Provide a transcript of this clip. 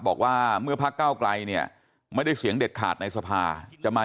บอกว่าเมื่อพักเก้าไกลเนี่ยไม่ได้เสียงเด็ดขาดในสภาจะมา